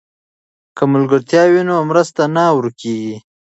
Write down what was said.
که ملګرتیا وي نو مرسته نه ورکېږي.